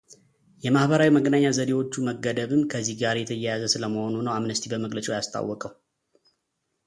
የማኅበራዊ መገናኛ ዘዴዎቹ መገደብም ከዚህ ጋር የተያያዘ ስለመሆኑ ነው አምነስቲ በመግለጫው ያስታወቀው።